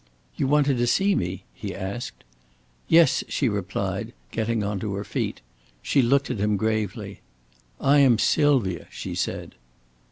"You wanted to see me?" he asked. "Yes," she replied, getting on to her feet. She looked at him gravely. "I am Sylvia," she said.